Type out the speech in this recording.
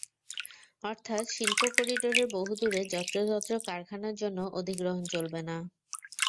অর্থাৎ শিল্প করিডোরের বহু দূরে যত্রতত্র কারখানার জন্য অধিগ্রহণ চলবে না।